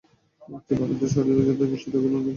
একটি বাড়ন্ত শরীরে যতটা পুষ্টি দরকার অনেক শিশু ততটা পায় না।